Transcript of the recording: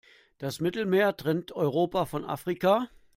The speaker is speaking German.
Das Mittelmeer trennt Europa von Afrika.